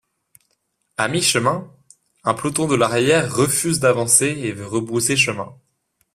À mi-chemin, un peloton de l'arrière refuse d'avancer et veut rebrousser chemin.